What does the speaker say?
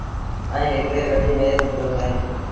ائيٚݩ هڪڙيٚ وڏيٚ ميز با اهي۔